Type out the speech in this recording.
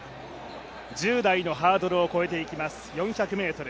１０台のハードルを越えていきます